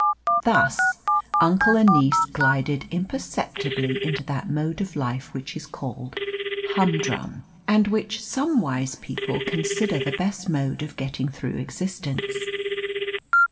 Thus uncle and niece glided imperceptibly into that mode of life which is called humdrum, and which some wise people consider the best mode of getting through existence.